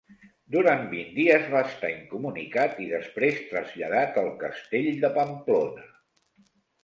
Durant vint dies va estar incomunicat i després traslladat al castell de Pamplona.